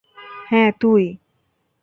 হ্যাঁ, তুই!